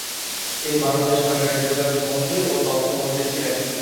তিনি বাংলাদেশ সরকারের যোগাযোগ মন্ত্রী ও তথ্য মন্ত্রী ছিলেন।